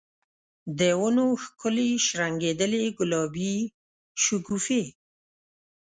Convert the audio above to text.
د ونو ښکلي شرنګیدلي ګلابې شګوفي